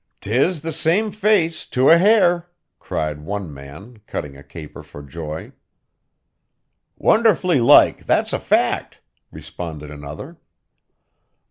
''T is the same face, to a hair!' cried one man, cutting a caper for joy. 'Wonderfully like, that's a fact!' responded another.